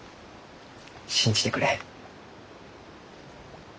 信じてくれ。